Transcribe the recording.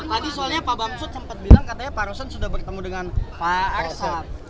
tadi soalnya pak bamsud sempat bilang katanya pak rosan sudah bertemu dengan pak arsul